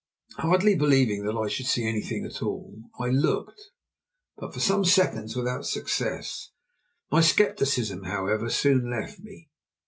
Hardly believing that I should see anything at all I looked. But for some seconds without success. My scepticism, however, soon left me.